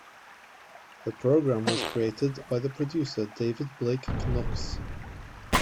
The programme was created by the producer David Blake Knox.